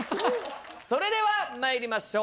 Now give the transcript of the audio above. それでは参りましょう。